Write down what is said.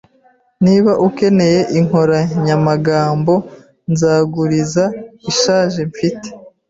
Niba ukeneye inkoranyamagambo, nzaguriza ishaje mfite.